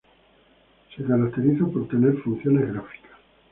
Se caracteriza por tener funciones gráficas.